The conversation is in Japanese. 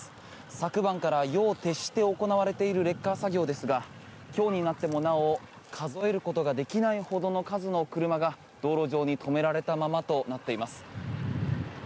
昨晩から夜を徹して行われているレッカー作業ですが今日になってもなお数えることができないほどの数の車が道路上に止められたままとなっています。